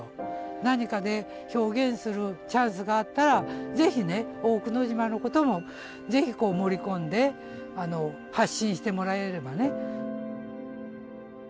何かで表現するチャンスがあったらぜひね大久野島のこともぜひこう盛り込んで発信してもらえればね